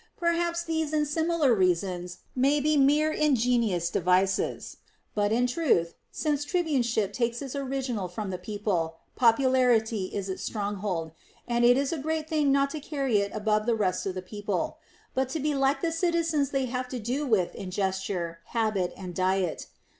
Perhaps these and similar rea sons may be mere ingenious devices ; but in truth, since tribuneship takes its original from the people, popularity is its stronghold, and it is a great thing not to carry it above the rest of the people, but to be like the citizens they have to do with in gesture, habit, and diet.